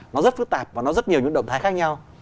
nó rất phức tạp và nó rất nhiều những động thái khác nhau